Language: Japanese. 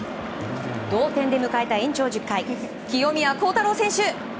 同点で迎えた延長１０回清宮幸太郎選手。